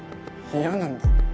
嫌なんだ。